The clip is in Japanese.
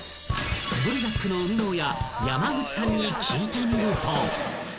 ［ブリザックの生みの親山口さんに聞いてみると］